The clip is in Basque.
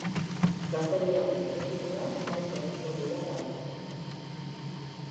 Gazteluaren egitura nahiko errektangularra da.